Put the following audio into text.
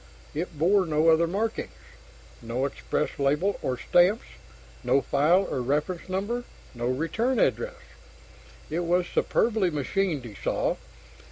It bore no other markings no express label or stamps, no file or reference number, no return address. It was superbly machined, he saw.